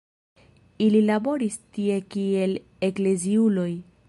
Ili laboris tie kiel ekleziuloj.